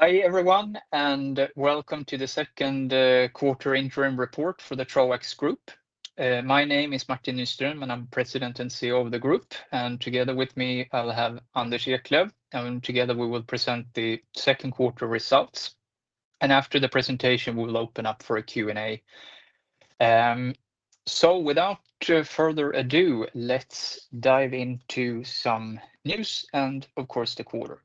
Hi everyone, and welcome to the second quarter interim report for the Troax Group. My name is Martin Nyström, and I'm President and CEO of the group. Together with me, I'll have Anders Eklöf, and together we will present the second quarter results. After the presentation, we will open up for a Q&A. Without further ado, let's dive into some news and, of course, the quarter.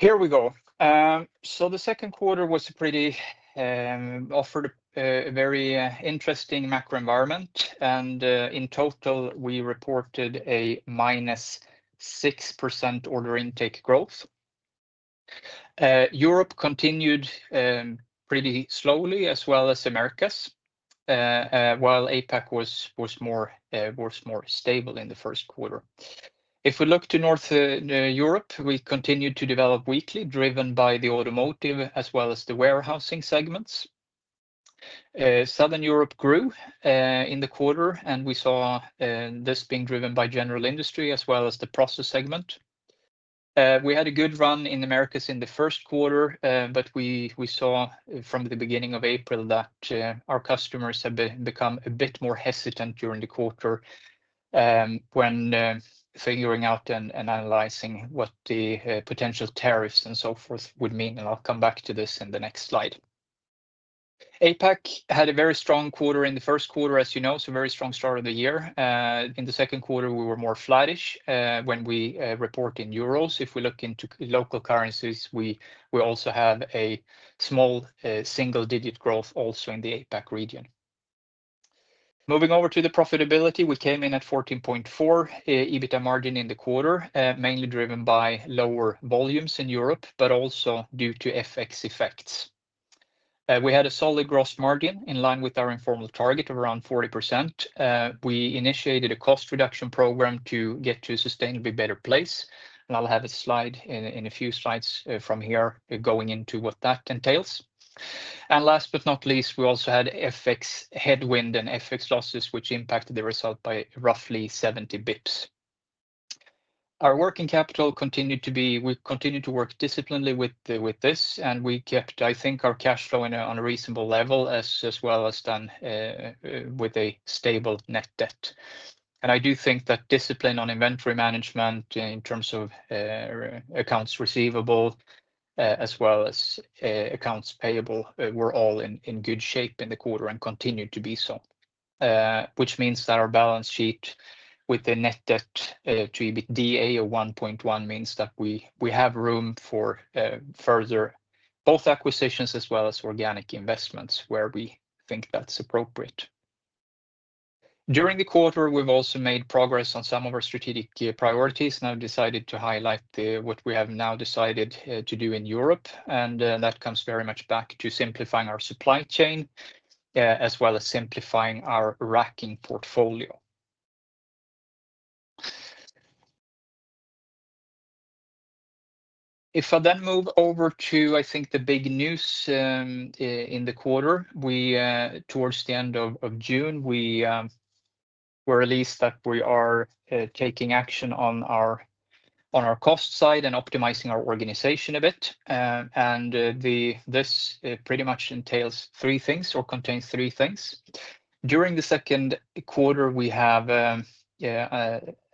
Here we go. The second quarter offered a very interesting macro environment. In total, we reported a -6% order intake growth. Europe continued pretty slowly, as well as Americas, while APAC was more stable in the first quarter. If we look to Northern Europe, we continued to develop weakly, driven by the automotive as well as the warehousing segments. Southern Europe grew in the quarter, and we saw this being driven by general industry as well as the process segment. We had a good run in the Americas in the first quarter, but we saw from the beginning of April that our customers have become a bit more hesitant during the quarter when figuring out and analyzing what the potential tariffs and so forth would mean. I'll come back to this in the next slide. APAC had a very strong quarter in the first quarter, as you know, so a very strong start of the year. In the second quarter, we were more flattish when we report in euros. If we look into local currencies, we also have a small single-digit growth also in the APAC region. Moving over to the profitability, we came in at 14.4% EBITDA margin in the quarter, mainly driven by lower volumes in Europe, but also due to FX effects. We had a solid gross margin in line with our informal target of around 40%. We initiated a cost reduction program to get to a sustainably better place. I'll have a slide in a few slides from here going into what that entails. Last but not least, we also had FX headwind and FX losses, which impacted the result by roughly 70 bps. Our working capital continued to be, we continued to work disciplinedly with this, and we kept, I think, our cash flow on a reasonable level, as well as done with a stable net debt. I do think that discipline on inventory management in terms of accounts receivable, as well as accounts payable, were all in good shape in the quarter and continue to be so, which means that our balance sheet with the net debt to EBITDA of 1.1 means that we have room for further both acquisitions as well as organic investments where we think that's appropriate. During the quarter, we've also made progress on some of our strategic priorities. Now I've decided to highlight what we have now decided to do in Europe, and that comes very much back to simplifying our supply chain as well as simplifying our racking portfolio. If I then move over to, I think, the big news in the quarter, towards the end of June, we released that we are taking action on our cost side and optimizing our organization a bit. This pretty much entails three things or contains three things. During the second quarter, we have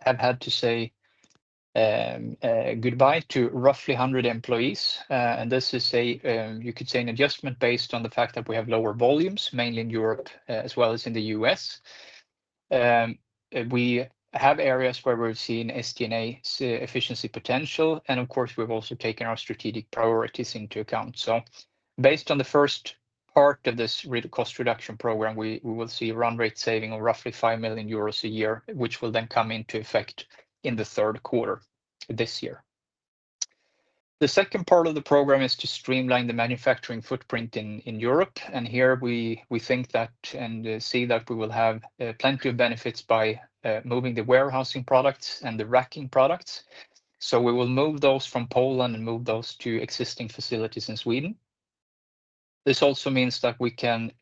had to say goodbye to roughly 100 employees. This is a, you could say, an adjustment based on the fact that we have lower volumes, mainly in Europe as well as in the U.S. We have areas where we've seen SG&A efficiency potential, and of course, we've also taken our strategic priorities into account. Based on the first part of this cost reduction program, we will see run-rate savings of roughly 5 million euros a year, which will then come into effect in the third quarter this year. The second part of the program is to streamline the manufacturing footprint in Europe. Here we think that and see that we will have plenty of benefits by moving the warehousing products and the racking products. We will move those from Poland and move those to existing facilities in Sweden. This also means that we can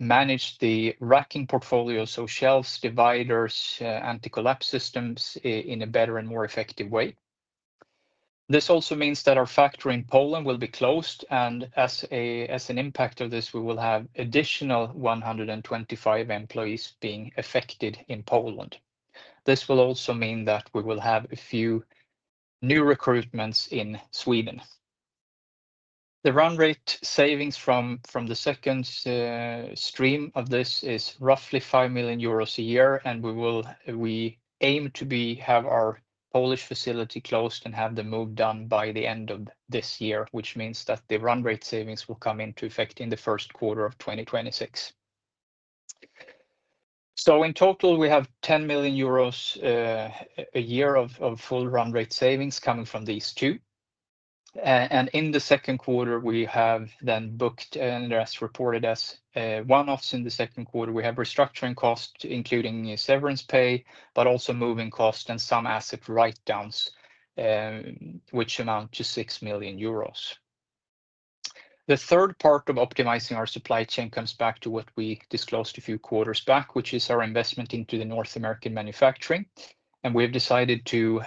manage the racking portfolio, so shelves, dividers, anti-collapse systems in a better and more effective way. This also means that our factory in Poland will be closed, and as an impact of this, we will have an additional 125 employees being affected in Poland. This will also mean that we will have a few new recruitments in Sweden. The run-rate savings from the second stream of this is roughly 5 million euros a year, and we aim to have our Polish facility closed and have the move done by the end of this year, which means that the run-rate savings will come into effect in the first quarter of 2026. In total, we have 10 million euros a year of full run-rate savings coming from these two. In the second quarter, we have then booked and as reported as one-offs in the second quarter, we have restructuring costs, including severance pay, but also moving costs and some asset write-downs, which amount to 6 million euros. The third part of optimizing our supply chain comes back to what we disclosed a few quarters back, which is our investment into the North American manufacturing. We have decided to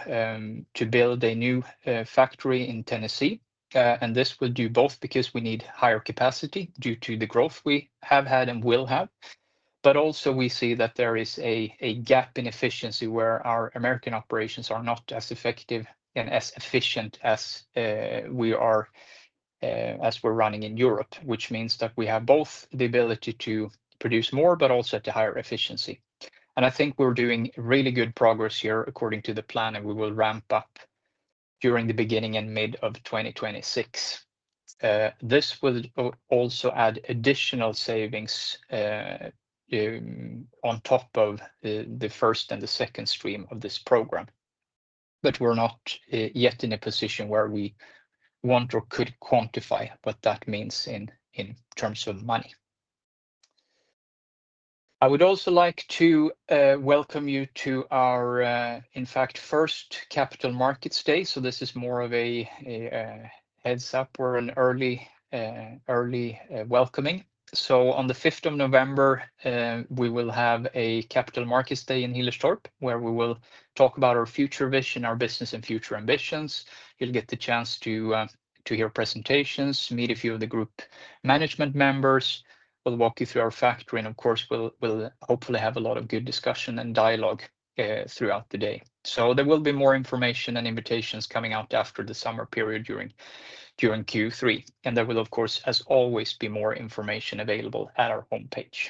build a new factory in Tennessee. This would do both because we need higher capacity due to the growth we have had and will have. We see that there is a gap in efficiency where our American operations are not as effective and as efficient as we're running in Europe, which means that we have both the ability to produce more, but also at a higher efficiency. I think we're doing really good progress here according to the plan, and we will ramp up during the beginning and mid of 2026. This will also add additional savings on top of the first and the second stream of this program. We're not yet in a position where we want or could quantify what that means in terms of money. I would also like to welcome you to our, in fact, first Capital Markets Day. This is more of a heads-up or an early welcoming. On the 5th of November, we will have a Capital Markets Day in Hillestorp, where we will talk about our future vision, our business, and future ambitions. You'll get the chance to hear presentations, meet a few of the group management members, and we'll walk you through our factory. Of course, we'll hopefully have a lot of good discussion and dialogue throughout the day. There will be more information and invitations coming out after the summer period during Q3. There will, of course, as always, be more information available at our homepage.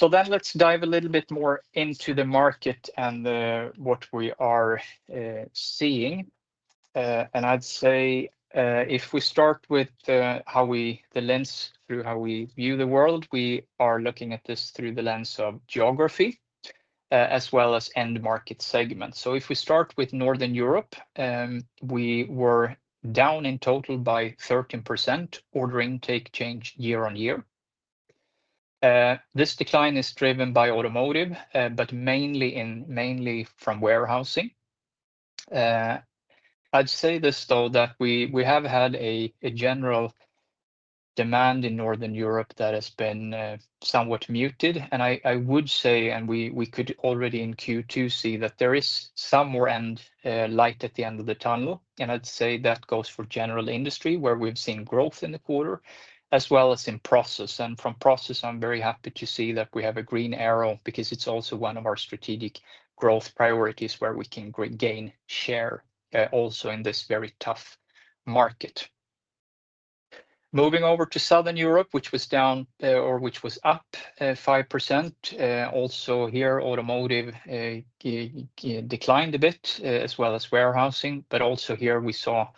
Let's dive a little bit more into the market and what we are seeing. If we start with the lens through how we view the world, we are looking at this through the lens of geography as well as end-market segments. If we start with Northern Europe, we were down in total by 13% order intake change year-on-year. This decline is driven by automotive, but mainly from warehousing. I would say this, though, that we have had a general demand in Northern Europe that has been somewhat muted. I would say, and we could already in Q2 see that there is some more light at the end of the tunnel. I would say that goes for general industry, where we've seen growth in the quarter, as well as in process. From process, I'm very happy to see that we have a green arrow because it's also one of our strategic growth priorities where we can gain share also in this very tough market. Moving over to Southern Europe, which was up 5%. Also here, automotive declined a bit, as well as warehousing. But also here, we saw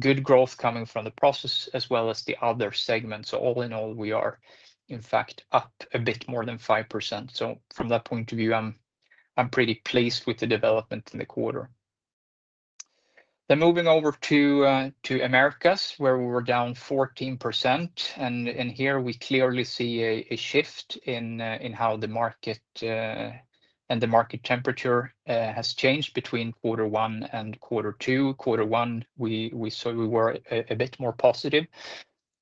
good growth coming from the process, as well as the other segments. All in all, we are, in fact, up a bit more than 5%. From that point of view, I'm pretty pleased with the development in the quarter. Moving over to Americas, where we were down 14%. Here, we clearly see a shift in how the market and the market temperature has changed between quarter one and quarter two. Quarter one, we saw we were a bit more positive.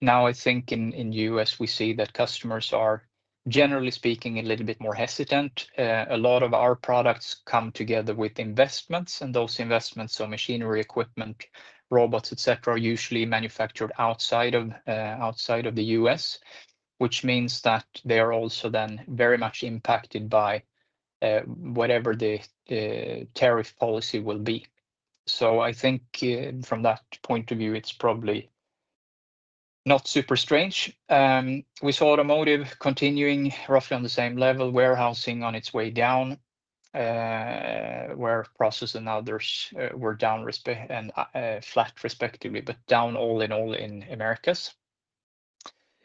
Now, I think in the U.S., we see that customers are, generally speaking, a little bit more hesitant. A lot of our products come together with investments. Those investments, so machinery, equipment, robots, etc., are usually manufactured outside of the U.S., which means that they are also then very much impacted by whatever the tariff policy will be. From that point of view, it's probably not super strange. We saw automotive continuing roughly on the same level, warehousing on its way down, where process and others were down and flat, respectively, but down all in all in Americas.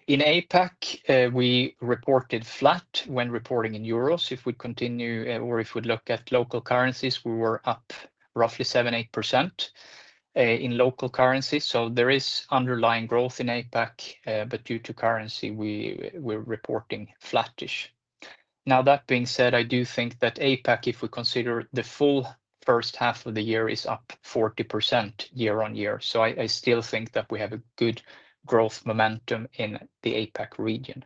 In APAC, we reported flat when reporting in euros. If we continue or if we look at local currencies, we were up roughly 7%-8% in local currencies. There is underlying growth in APAC, but due to currency, we're reporting flattish. That being said, I do think that APAC, if we consider the full first half of the year, is up 40% year-on-year. I still think that we have a good growth momentum in the APAC region.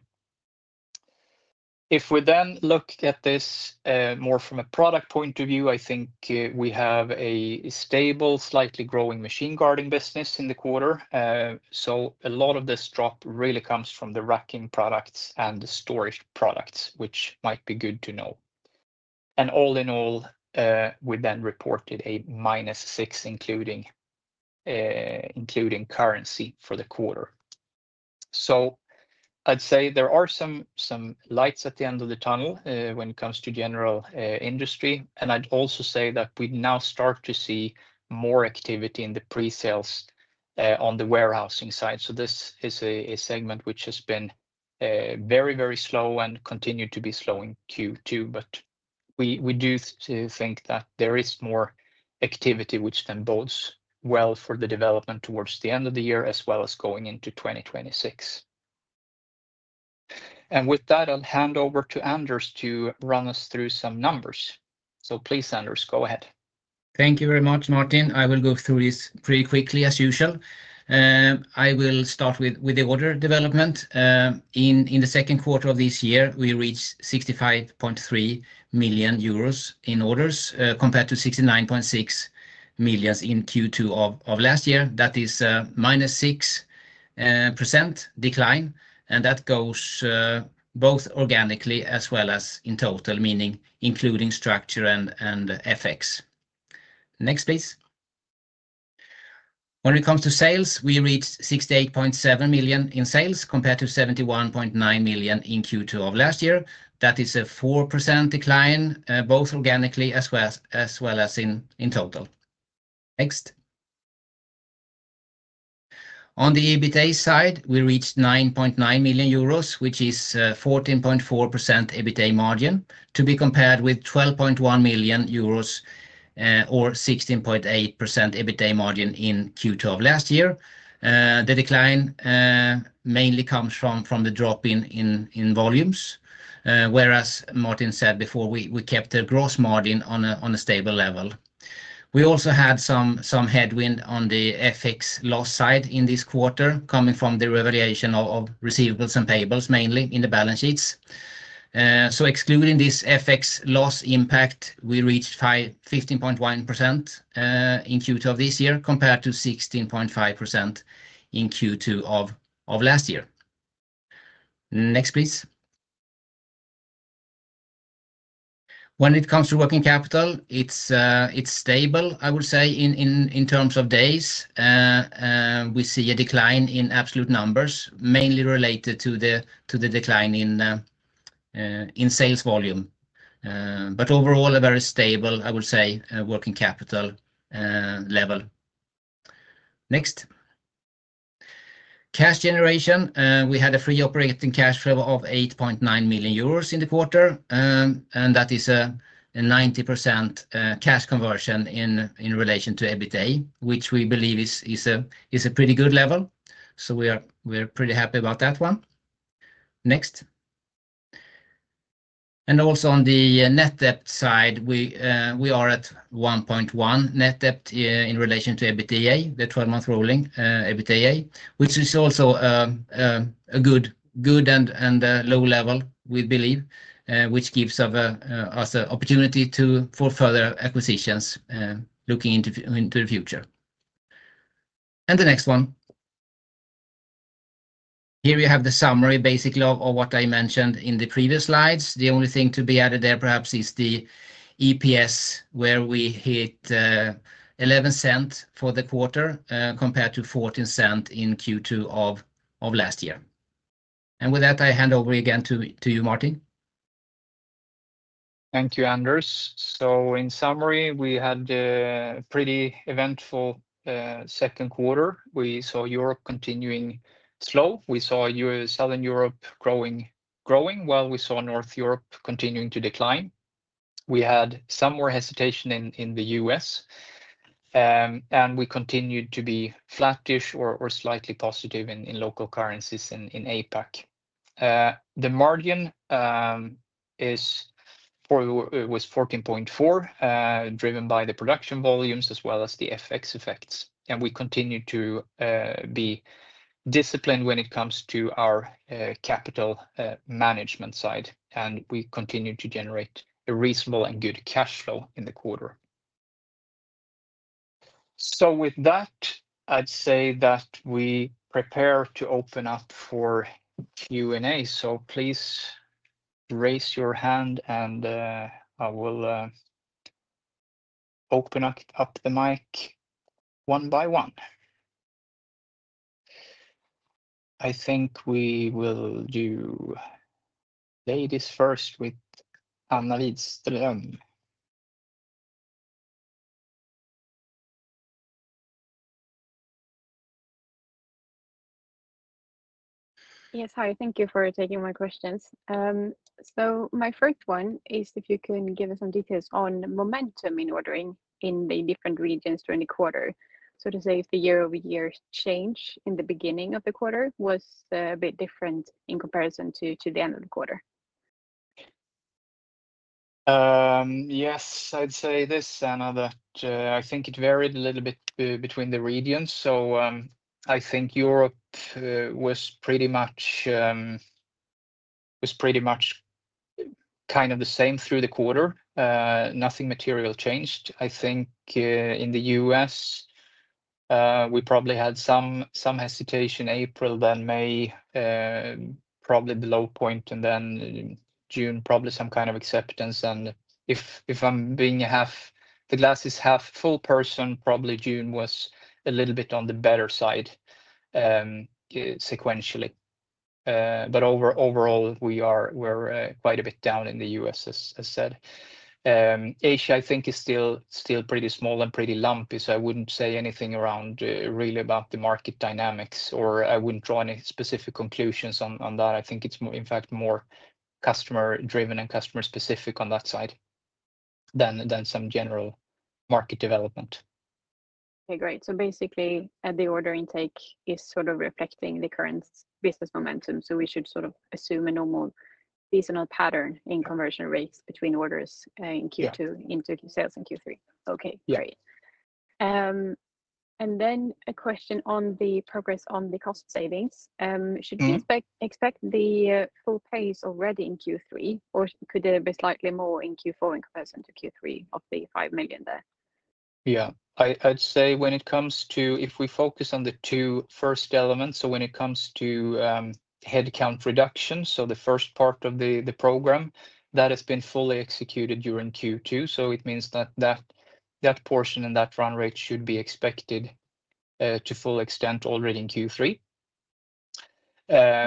If we then look at this more from a product point of view, I think we have a stable, slightly growing machine guarding business in the quarter. A lot of this drop really comes from the racking products and the storage products, which might be good to know. All in all, we then reported a minus 6%, including currency for the quarter. I'd say there are some lights at the end of the tunnel when it comes to general industry. I'd also say that we've now started to see more activity in the pre-sales on the warehousing side. This is a segment which has been very, very slow and continued to be slow in Q2. We do think that there is more activity which then bodes well for the development towards the end of the year, as well as going into 2026. With that, I'll hand over to Anders to run us through some numbers. Please, Anders, go ahead. Thank you very much, Martin. I will go through this pretty quickly, as usual. I will start with the order development. In the second quarter of this year, we reached 65.3 million euros in orders compared to 69.6 million in Q2 of last year. That is a -6% decline. That goes both organically as well as in total, meaning including structure and FX. Next, please. When it comes to sales, we reached 68.7 million in sales compared to 71.9 million in Q2 of last year. That is a -4% decline, both organically as well as in total. Next. On the EBITDA side, we reached 9.9 million euros, which is a 14.4% EBITDA margin to be compared with 12.1 million euros or 16.8% EBITDA margin in Q2 of last year. The decline mainly comes from the drop in volumes, whereas Martin said before, we kept a gross margin on a stable level. We also had some headwind on the FX loss side in this quarter, coming from the revaluation of receivables and payables, mainly in the balance sheets. Excluding this FX loss impact, we reached 15.1% in Q2 of this year compared to 16.5% in Q2 of last year. Next, please. When it comes to working capital, it's stable, I would say, in terms of days. We see a decline in absolute numbers, mainly related to the decline in sales volume. Overall, a very stable, I would say, working capital level. Next. Cash generation, we had a free operating cash flow of 8.9 million euros in the quarter. That is a 90% cash conversion in relation to EBITDA, which we believe is a pretty good level. We are pretty happy about that one. Next. Also on the net debt side, we are at 1.1 net debt in relation to EBITDA, the 12-month rolling EBITDA, which is also a good and low level, we believe, which gives us an opportunity for further acquisitions looking into the future. The next one. Here you have the summary, basically, of what I mentioned in the previous slides. The only thing to be added there, perhaps, is the EPS, where we hit 0.11 for the quarter compared to 0.14 in Q2 of last year. With that, I hand over again to you, Martin. Thank you, Anders. In summary, we had a pretty eventful second quarter. We saw Europe continuing slow. We saw Southern Europe growing well, we saw Northern Europe continuing to decline. We had some more hesitation in the U.S. We continued to be flattish or slightly positive in local currencies in APAC. The margin was 14.4%, driven by the production volumes as well as the FX effects. We continue to be disciplined when it comes to our capital management side. We continue to generate a reasonable and good cash flow in the quarter. With that, I'd say that we prepare to open up for Q&A. Please raise your hand and I will open up the mic one by one. I think we will do ladies first with Annaliise Ström. Yes, hi. Thank you for taking my questions. My first one is if you can give us some details on momentum in ordering in the different regions during the quarter. Is the year-over-year change in the beginning of the quarter a bit different in comparison to the end of the quarter? Yes, I'd say this, Annaliise. I think it varied a little bit between the regions. I think Europe was pretty much kind of the same through the quarter. Nothing material changed. I think in the U.S., we probably had some hesitation in April, May was probably the low point, and June, probably some kind of acceptance. If I'm being a glass is half full person, probably June was a little bit on the better side sequentially. Overall, we were quite a bit down in the U.S., as I said. Asia, I think, is still pretty small and pretty lumpy. I wouldn't say anything really about the market dynamics, or I wouldn't draw any specific conclusions on that. I think it's, in fact, more customer-driven and customer-specific on that side than some general market development. Okay, great. The order intake is sort of reflecting the current business momentum. We should sort of assume a normal seasonal pattern in conversion rates between orders in Q2 into sales in Q3. Okay, great. A question on the progress on the cost savings. Should we expect the full pace already in Q3, or could there be slightly more in Q4 in comparison to Q3 of the $5 million there? Yeah, I'd say when it comes to if we focus on the two first elements, when it comes to headcount reduction, the first part of the program has been fully executed during Q2. It means that that portion and that run-rate should be expected to full extent already in Q3.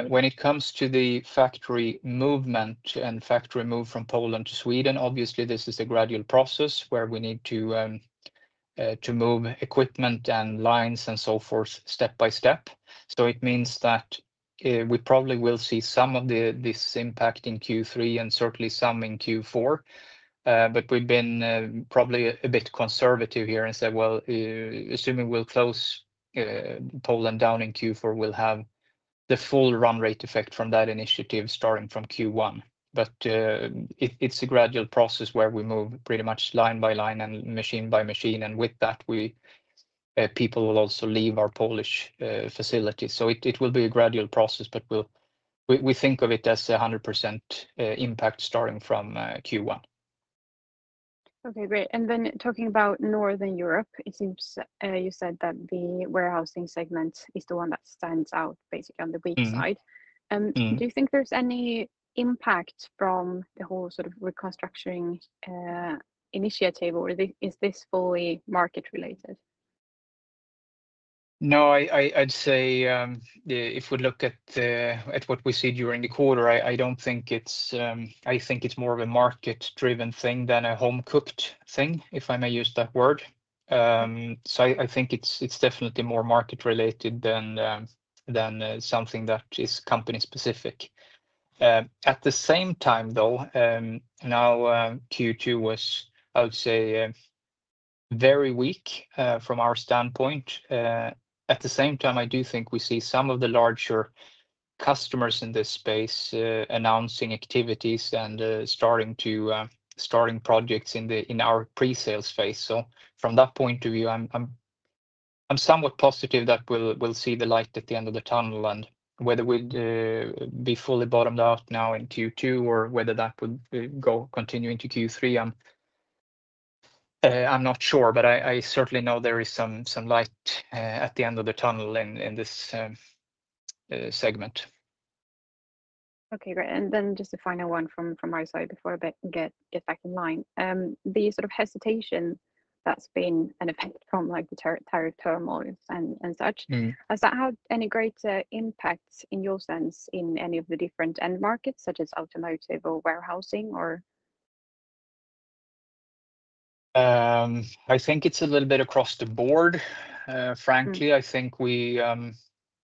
When it comes to the factory movement and the factory move from Poland to Sweden, obviously, this is a gradual process where we need to move equipment and lines and so forth step by step. It means that we probably will see some of this impact in Q3 and certainly some in Q4. We've been probably a bit conservative here and said, assuming we'll close Poland down in Q4, we'll have the full run-rate effect from that initiative starting from Q1. It's a gradual process where we move pretty much line by line and machine by machine. With that, people will also leave our Polish facilities. It will be a gradual process, but we think of it as a 100% impact starting from Q1. Okay, great. Talking about Northern Europe, it seems you said that the warehousing segment is the one that stands out basically on the weak side. Do you think there's any impact from the whole sort of reconstructing initiative, or is this fully market-related? No, I'd say if we look at what we see during the quarter, I don't think it's more of a market-driven thing than a home-cooked thing, if I may use that word. I think it's definitely more market-related than something that is company-specific. At the same time, though, now Q2 was, I would say, very weak from our standpoint. At the same time, I do think we see some of the larger customers in this space announcing activities and starting projects in our pre-sales phase. From that point of view, I'm somewhat positive that we'll see the light at the end of the tunnel. Whether we'll be fully bottomed out now in Q2 or whether that would continue into Q3, I'm not sure. I certainly know there is some light at the end of the tunnel in this segment. Okay, great. Just a final one from my side before I get back in line. The sort of hesitation that's been an effect from the tariff turmoil and such, has that had any greater impact, in your sense, in any of the different end markets, such as automotive or warehousing? I think it's a little bit across the board, frankly. I think when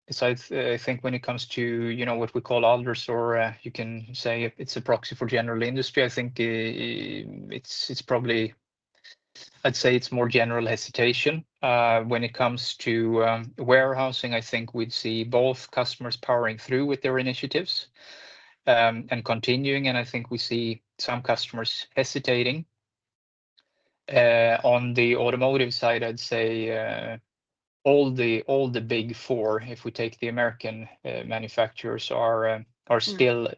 it comes to what we call others, or you can say it's a proxy for general industry, I think it's probably, I'd say it's more general hesitation. When it comes to warehousing, I think we'd see both customers powering through with their initiatives and continuing. I think we see some customers hesitating. On the automotive side, I'd say all the big four, if we take the American manufacturers, are still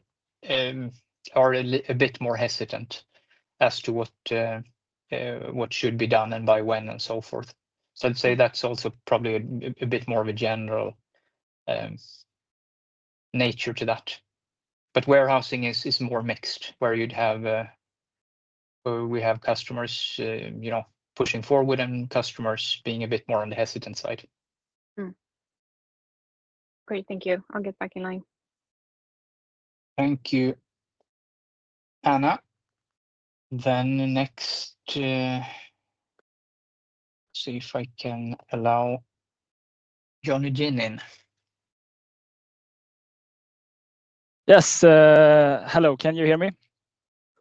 a bit more hesitant as to what should be done and by when and so forth. I'd say that's also probably a bit more of a general nature to that. Warehousing is more mixed, where we have customers pushing forward and customers being a bit more on the hesitant side. Great. Thank you. I'll get back in line. Thank you, Anna. Next, let's see if I can allow Johnny Jin in. Yes, hello. Can you hear me?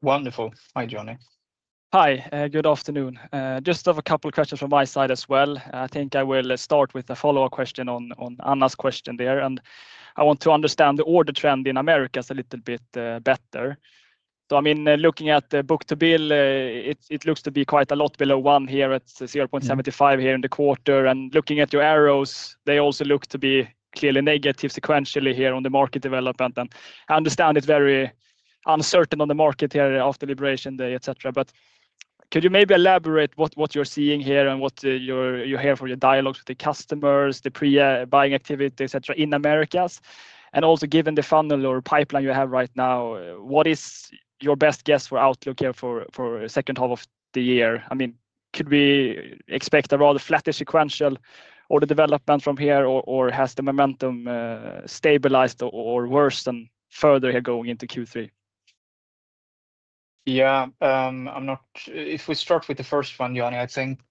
Wonderful. Hi, Johnny. Hi. Good afternoon. I just have a couple of questions from my side as well. I think I will start with a follow-up question on Anna's question there. I want to understand the order trend in Americas a little bit better. I mean, looking at the book-to-bill, it looks to be quite a lot below one here at $0.75 in the quarter. Looking at your arrows, they also look to be clearly negative sequentially on the market development. I understand it's very uncertain on the market here after Liberation Day, etc. Could you maybe elaborate what you're seeing here and what you hear from your dialogues with the customers, the pre-buying activity, etc., in Americas? Also, given the funnel or pipeline you have right now, what is your best guess for outlook here for the second half of the year? I mean, could we expect a rather flatter sequential order development from here, or has the momentum stabilized or worsened further going into Q3? Yeah. If we start with the first one, Johnny, I think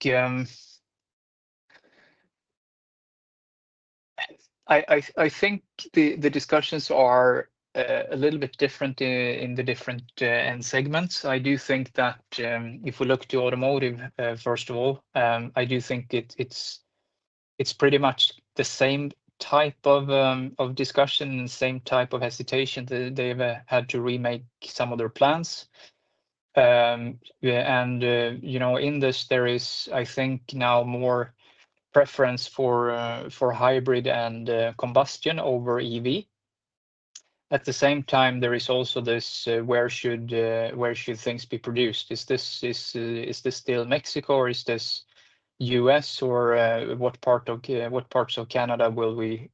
the discussions are a little bit different in the different end segments. I do think that if we look to automotive, first of all, I do think it's pretty much the same type of discussion and same type of hesitation that they've had to remake some of their plans. In this, there is, I think, now more preference for hybrid and combustion over EV. At the same time, there is also this, where should things be produced? Is this still Mexico, or is this U.S., or what parts of Canada will we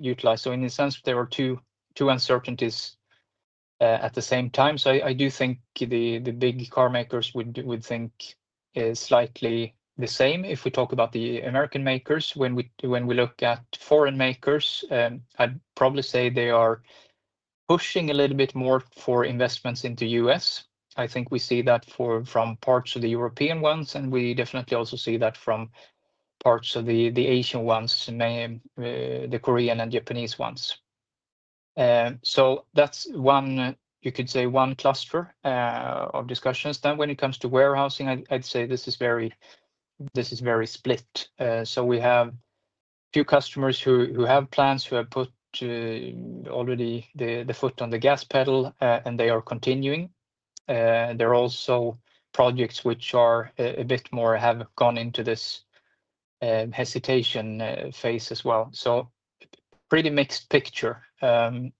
utilize? In a sense, there are two uncertainties at the same time. I do think the big car makers would think slightly the same. If we talk about the American makers, when we look at foreign makers, I'd probably say they are pushing a little bit more for investments into the U.S. I think we see that from parts of the European ones, and we definitely also see that from parts of the Asian ones, the Korean and Japanese ones. That's one, you could say, one cluster of discussions. When it comes to warehousing, I'd say this is very split. We have a few customers who have plans, who have put already the foot on the gas pedal, and they are continuing. There are also projects which are a bit more, have gone into this hesitation phase as well. Pretty mixed picture on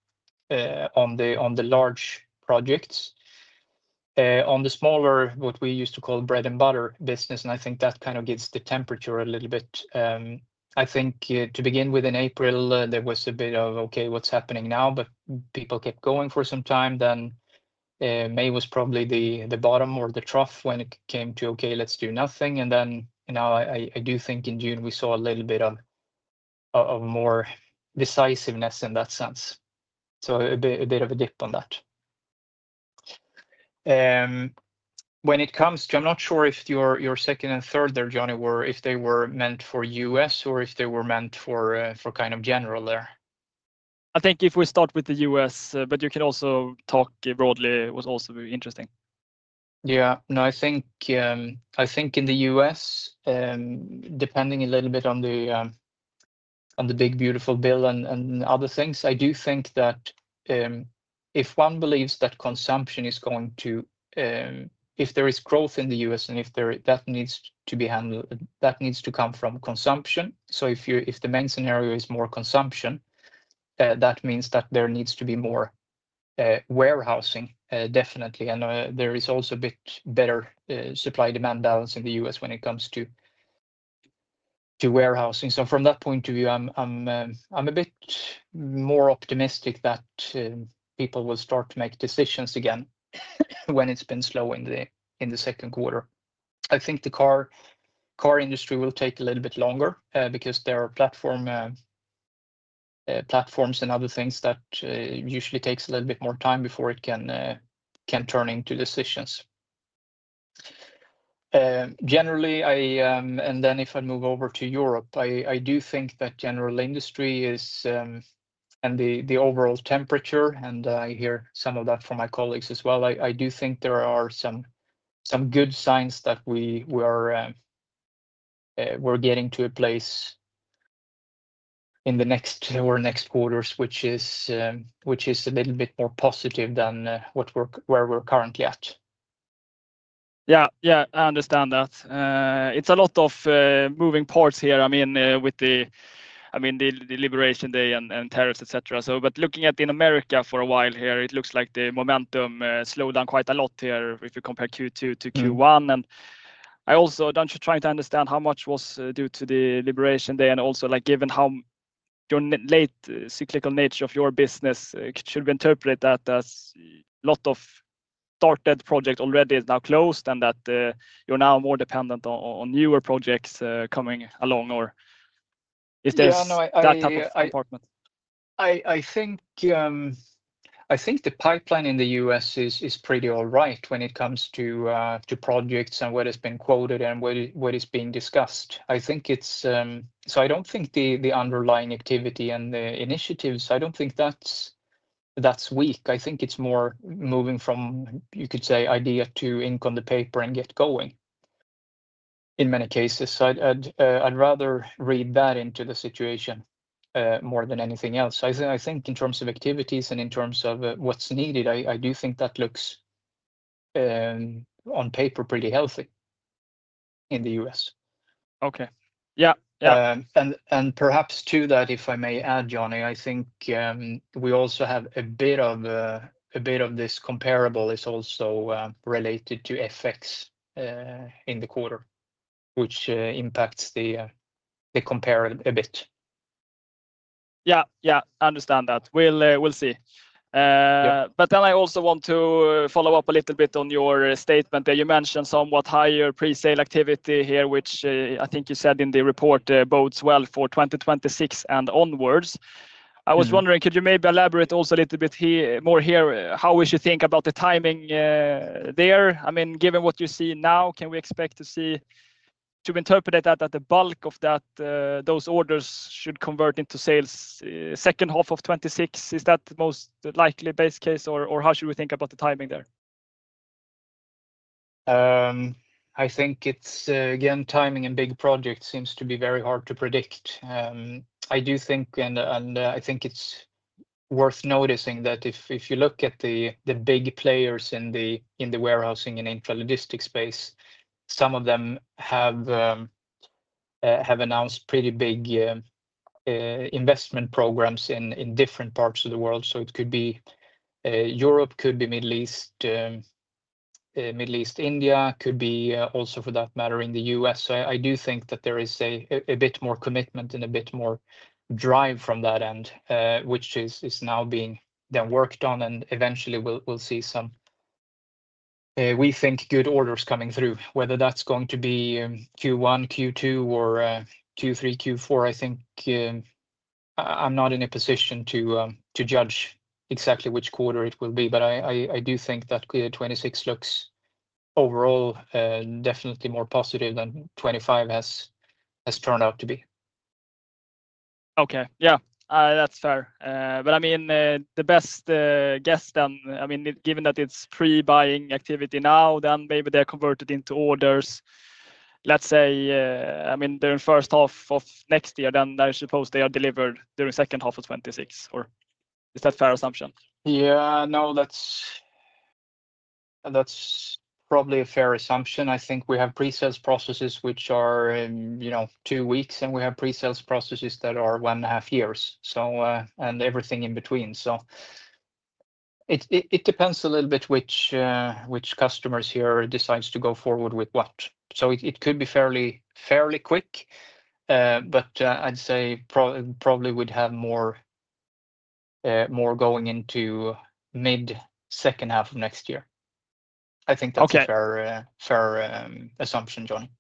the large projects. On the smaller, what we used to call bread and butter business, and I think that kind of gives the temperature a little bit. I think to begin with, in April, there was a bit of, okay, what's happening now? People kept going for some time. May was probably the bottom or the trough when it came to, okay, let's do nothing. Now I do think in June, we saw a little bit of more decisiveness in that sense. A bit of a dip on that. When it comes to, I'm not sure if your second and third there, Johnny, were if they were meant for U.S. or if they were meant for kind of general there. I think if we start with the US., but you can also talk broadly, it was also interesting. Yeah. No, I think in the U.S., depending a little bit on the big, beautiful bill and other things, I do think that if one believes that consumption is going to, if there is growth in the U.S. and if that needs to be handled, that needs to come from consumption. If the main scenario is more consumption, that means that there needs to be more warehousing, definitely. There is also a bit better supply-demand balance in the U.S. when it comes to warehousing. From that point of view, I'm a bit more optimistic that people will start to make decisions again when it's been slow in the second quarter. I think the car industry will take a little bit longer because there are platforms and other things that usually take a little bit more time before it can turn into decisions. Generally, and then if I move over to Europe, I do think that general industry is and the overall temperature, and I hear some of that from my colleagues as well, I do think there are some good signs that we're getting to a place in the next or next quarters, which is a little bit more positive than where we're currently at. Yeah, I understand that. It's a lot of moving parts here. I mean, with the Liberation Day and tariffs, etc. Looking at in Americas for a while here, it looks like the momentum slowed down quite a lot here if we compare Q2 to Q1. I'm just trying to understand how much was due to the Liberation Day and also like given how your late cyclical nature of your business should be interpreted that as a lot of started projects already is now closed and that you're now more dependent on newer projects coming along or if there's that type of department. I think the pipeline in the U.S. is pretty all right when it comes to projects and what has been quoted and what is being discussed. I think it's, I don't think the underlying activity and the initiatives, I don't think that's weak. I think it's more moving from, you could say, idea to ink on the paper and get going in many cases. I'd rather read that into the situation more than anything else. I think in terms of activities and in terms of what's needed, I do think that looks on paper pretty healthy in the U.S. Yeah, yeah. Perhaps to that, if I may add, Johnny, I think we also have a bit of this comparable is also related to FX in the quarter, which impacts the comparative a bit. Yeah, I understand that. We'll see. I also want to follow up a little bit on your statement there. You mentioned somewhat higher pre-sale activity here, which I think you said in the report bodes well for 2026 and onwards. I was wondering, could you maybe elaborate also a little bit more here how we should think about the timing there? I mean, given what you see now, can we expect to see, to interpret that, that the bulk of those orders should convert into sales second half of 2026? Is that the most likely base case, or how should we think about the timing there? I think it's, again, timing in big projects seems to be very hard to predict. I do think, and I think it's worth noticing that if you look at the big players in the warehousing and in the logistics space, some of them have announced pretty big investment programs in different parts of the world. It could be Europe, could be Middle East, Middle East India, could be also, for that matter, in the U.S. I do think that there is a bit more commitment and a bit more drive from that end, which is now being then worked on, and eventually, we'll see some, we think, good orders coming through. Whether that's going to be Q1, Q2, or Q3, Q4, I think I'm not in a position to judge exactly which quarter it will be, but I do think that 2026 looks overall definitely more positive than 2025 has turned out to be. Yeah, that's fair. I mean, the best guess then, given that it's pre-buying activity now, maybe they're converted into orders, let's say, during the first half of next year. I suppose they are delivered during the second half of 2026. Is that a fair assumption? Yeah, no, that's probably a fair assumption. I think we have pre-sales processes which are, you know, two weeks, and we have pre-sales processes that are one and a half years, and everything in between. It depends a little bit which customers here decide to go forward with what. It could be fairly quick, but I'd say probably we'd have more going into mid-second half of next year. I think that's a fair assumption, Johnny.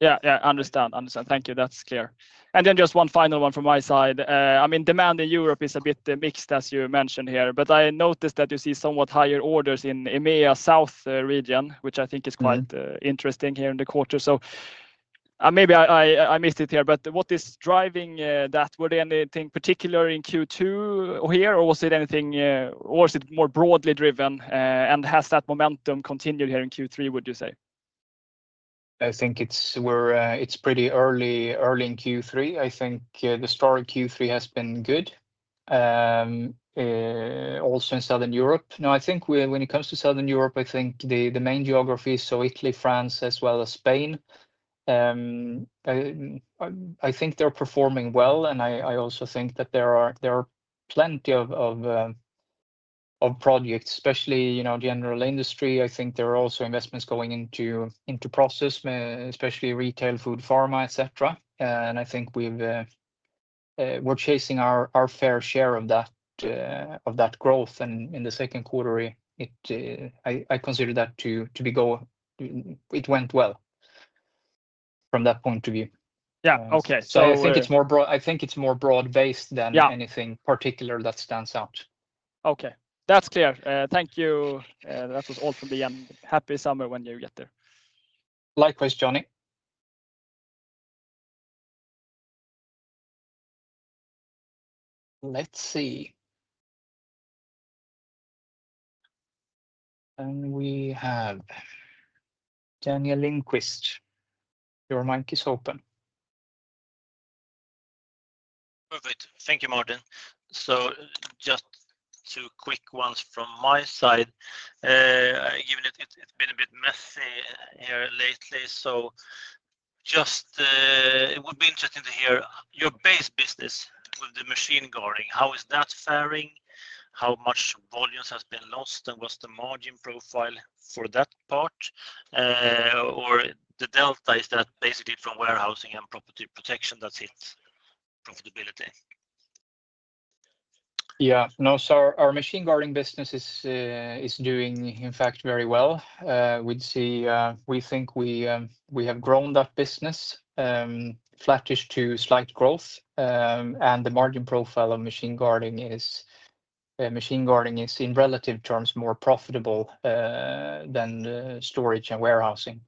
Yeah, I understand. Thank you. That's clear. Just one final one from my side. I mean, demand in Europe is a bit mixed, as you mentioned here, but I noticed that you see somewhat higher orders in Southern Europe, which I think is quite interesting here in the quarter. Maybe I missed it here, but what is driving that? Was there anything particular in Q2 here, or is it more broadly driven? Has that momentum continued here in Q3, would you say? I think it's pretty early in Q3. I think the start of Q3 has been good, also in Southern Europe. When it comes to Southern Europe, I think the main geographies, so Italy, France, as well as Spain, I think they're performing well. I also think that there are plenty of projects, especially general industry. I think there are also investments going into process, especially retail, food, pharma, etc. I think we're chasing our fair share of that growth. In the second quarter, I consider that to be going. It went well from that point of view. Yeah, okay. I think it's more broad-based than anything particular that stands out. Okay, that's clear. Thank you. That was all from me, and happy summer when you get there. Likewise, Johnny. Let's see. We have Daniel Lindquist. Your mic is open. Perfect. Thank you, Martin. Just two quick ones from my side. Given it's been a bit messy here lately, it would be interesting to hear your base business with the machine guarding. How is that faring? How much volumes have been lost, and what's the margin profile for that part? Or the delta, is that basically from warehousing and property protection that's hit profitability? Yeah. No, our machine guarding business is doing, in fact, very well. We think we have grown that business flatish to slight growth. The margin profile of machine guarding is, in relative terms, more profitable than the storage and warehousing.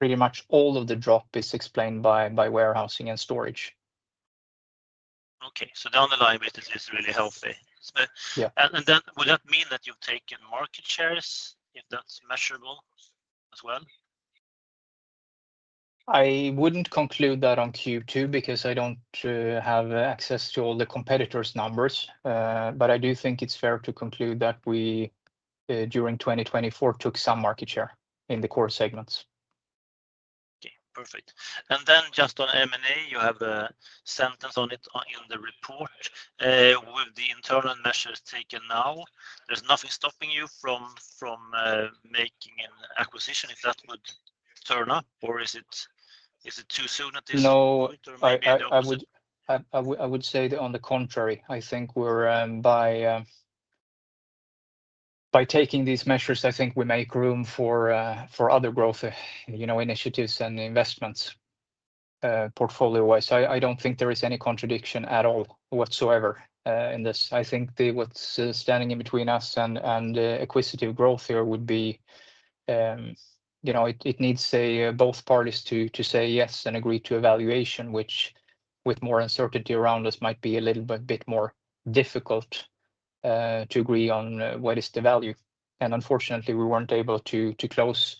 Pretty much all of the drop is explained by warehousing and storage. Down the line, business is really healthy. Yeah. Would that mean that you've taken market shares if that's measurable as well? I wouldn't conclude that on Q2 because I don't have access to all the competitors' numbers. I do think it's fair to conclude that we, during 2024, took some market share in the core segments. Okay. Perfect. Just on M&A, you have a sentence on it in the report. With the internal measures taken now, there's nothing stopping you from making an acquisition if that would turn up, or is it too soon at this point to make an acquisition? No, I would say that on the contrary. I think we're, by taking these measures, making room for other growth initiatives and investments portfolio-wise. I don't think there is any contradiction at all whatsoever in this. I think what's standing in between us and acquisitive growth here would be, you know, it needs both parties to say yes and agree to evaluation, which, with more uncertainty around us, might be a little bit more difficult to agree on what is the value. Unfortunately, we weren't able to close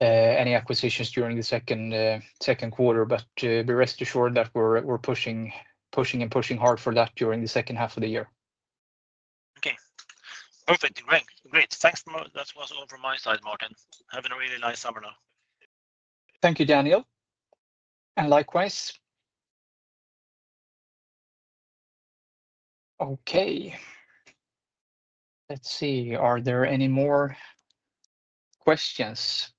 any acquisitions during the second quarter, but we rest assured that we're pushing and pushing hard for that during the second half of the year. Okay. Perfect. Great. Great. Thanks. That was all from my side, Martin. Have a really nice summer now. Thank you, Daniel. Likewise. Okay, let's see. Are there any more questions?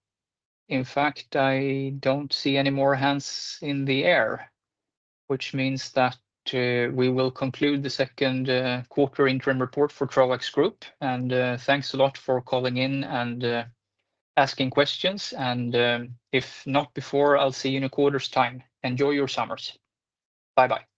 In fact, I don't see any more hands in the air, which means that we will conclude the second quarter interim report for Troax Group AB. Thanks a lot for calling in and asking questions. If not before, I'll see you in a quarter's time. Enjoy your summers. Bye-bye. Bye.